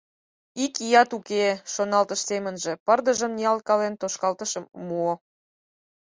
«Ик ият уке-е!» — шоналтыш семынже, пырдыжым ниялткален, тошкалтышым муо.